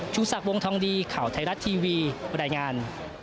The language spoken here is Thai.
ชูศักดิ์วงทองดีข่าวไทยรัฐทีวีบรรยายงาน